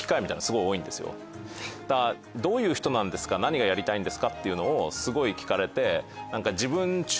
だから「どういう人なんですか」「何がやりたいんですか」っていうのをすごい聞かれて。